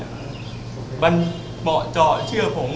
มันเหมาะจอดเชื่อผม